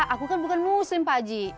aku kan bukan muslim pak aji